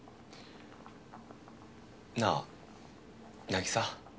なあ凪沙。